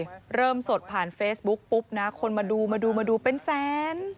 คนดูเยอะไหมล่ะเยอะสิเริ่มสดผ่านเฟซบุ๊กปุ๊บนะคนมาดูมาดูมาดูเป็นแสน